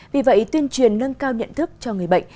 vì vậy tuyên truyền nâng cao nhận thức cho người bệnh